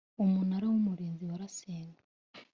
Umunara w Umurinzi warasenywe